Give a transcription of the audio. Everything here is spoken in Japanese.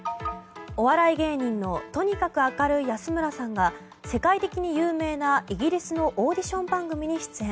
お笑い芸人のとにかく明るい安村さんが世界的に有名なイギリスのオーディション番組に出演。